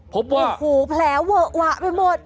พบว่าโอ้โหแผลเวอะหวะไปหมด